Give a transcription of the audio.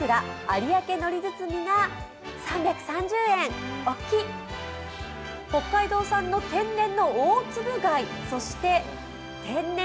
有明のり包みが３３０円、大きいびく北海道産の天然の大つぶ貝、そして天然〆